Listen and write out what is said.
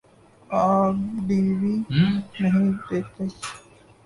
آ پ T V نہیں دیکھتے؟